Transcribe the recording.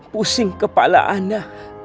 pusing kepala ana